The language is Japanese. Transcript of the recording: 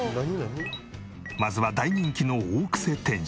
まずは大人気の大クセ店主。